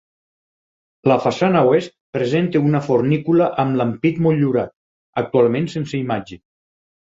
La façana oest presenta una fornícula amb l'ampit motllurat, actualment sense imatge.